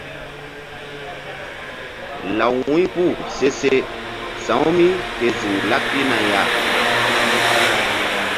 Law wu̧y puh se se sa̧w mí ke ziŋ laɓ pihna ya.